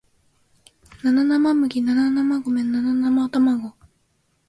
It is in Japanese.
七生麦七生米七生卵